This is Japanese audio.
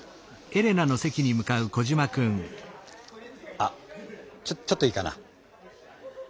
あちょちょっといいかな？